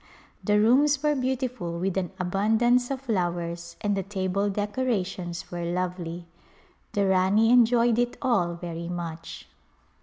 The rooms were beautiful with an abundance of flowers and the table decorations were lovely. The Rani enjoyed it all very much.